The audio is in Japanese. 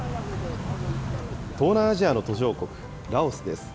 東南アジアの途上国、ラオスです。